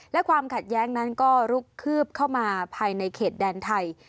และความขัดแย้งนั้นก็ลุกคืบเข้ามาภายในเขตแดนไทย